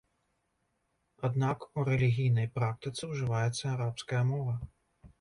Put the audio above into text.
Аднак, у рэлігійнай практыцы ўжываецца арабская мова.